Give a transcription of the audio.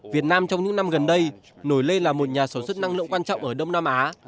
việt nam trong những năm gần đây nổi lên là một nhà sản xuất năng lượng quan trọng ở đông nam á